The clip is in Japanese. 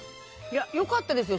良かったですよ